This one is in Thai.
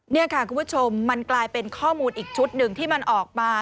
นี่ค่ะคุณผู้ชมมันกลายเป็นข้อมูลอีกชุดหนึ่งที่มันออกมา